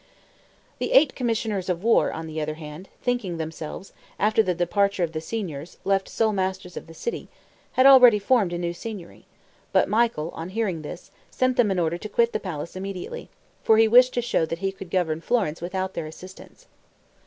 The Eight Commissioners of War, on the other hand, thinking themselves, after the departure of the Signors, left sole masters of the city, had already formed a new Signory; but Michael, on hearing this, sent them an order to quit the palace immediately; for he wished to show that he could govern Florence without their assistance.